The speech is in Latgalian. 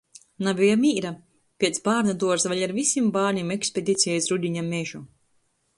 Nabeja mīra. Piec bārnuduorza vēļ ar vysim bārnim ekspediceja iz rudiņa mežu.